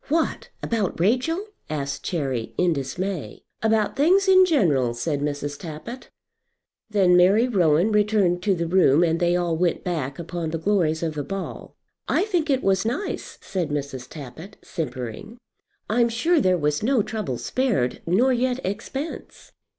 "What! about Rachel?" asked Cherry, in dismay. "About things in general," said Mrs. Tappitt. Then Mary Rowan returned to the room, and they all went back upon the glories of the ball. "I think it was nice," said Mrs. Tappitt, simpering. "I'm sure there was no trouble spared, nor yet expense."